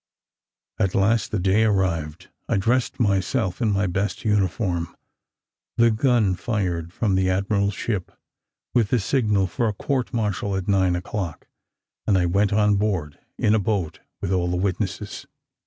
At last the day arrived. I dressed myself in my best uniform. The gun fired from the admiral's ship, with the signal for a court martial at nine o'clock; and I went on board, in a boat with all the witnesses.